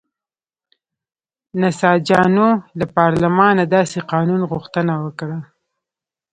نساجانو له پارلمانه داسې قانون غوښتنه وکړه.